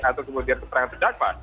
atau kemudian keterangan terdakwa